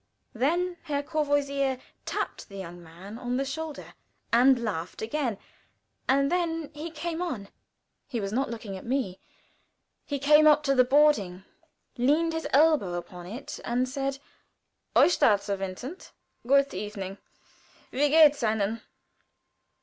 Then Herr Courvoisier tapped the young man on the shoulder and laughed again, and then he came on. He was not looking at me; he came up to the boarding, leaned his elbow upon it, and said to Eustace Vincent: "Good evening: _wie geht's Ihnen?